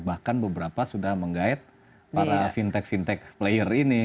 bahkan beberapa sudah menggait para fintech fintech player ini